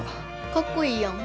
かっこいいやん。